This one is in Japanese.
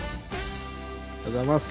おはようございます。